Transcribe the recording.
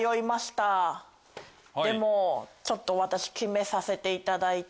でもちょっと私決めさせていただいて。